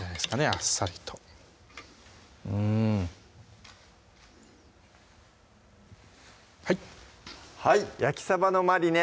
あっさりとうんはいはい「焼きサバのマリネ」